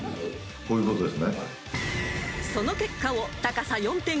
そういうことなんです。